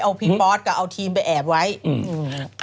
เอาพี่ปอสกับเอาทีมไปแอบไว้อืม